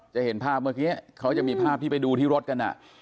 จะเห็นภาพเมื่อกี้เขาจะมีภาพที่ไปดูที่รถกัน